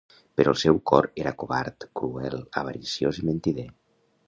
Però el seu cor era covard, cruel, avariciós i mentider.